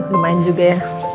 lumayan juga ya